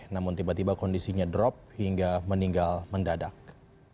namun tiba tiba kondisinya drop hingga meninggal mendadak